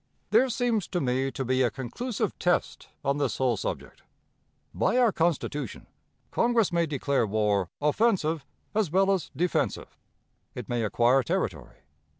"There seems to me to be a conclusive test on this whole subject. By our Constitution, Congress may declare war, offensive as well as defensive. It may acquire territory.